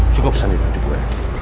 cukup sandi ngantuk gue